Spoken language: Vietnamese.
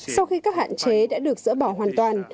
sau khi các hạn chế đã được dỡ bỏ hoàn toàn